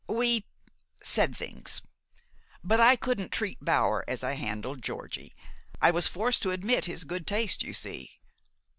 "We said things. But I couldn't treat Bower as I handled Georgie. I was forced to admit his good taste, you see."